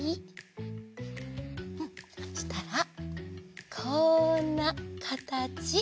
うんそしたらこんなかたち。